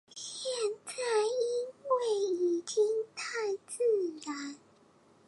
現在因為已經太自然